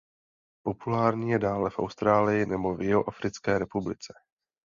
Populární je dále v Austrálii nebo v Jihoafrické republice.